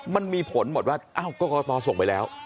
มันมีผลหมดว่ากรกตส่งไปแล้ว